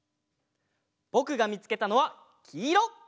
ぼくがみつけたのはきいろ！